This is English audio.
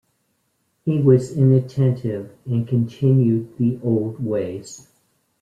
He was inattentive and continued the old ways.